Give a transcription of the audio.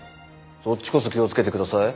そっちこそ気をつけてください。